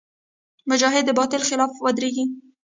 مجاهد د باطل خلاف ودریږي.